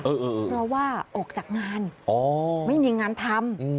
เพราะว่าออกจากงานไม่มีงานทำ